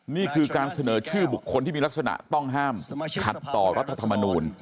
นี่คือการเสนอชื่อบุคคลที่มีลักษณะต้องห้ามขัดต่อรัฐธรรมนูล